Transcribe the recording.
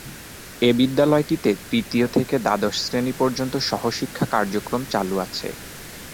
এ বিদ্যালয়টিতে তৃতীয় থেকে দ্বাদশ শ্রেনি পর্যন্ত সহশিক্ষা কার্যক্রম চালু আছে।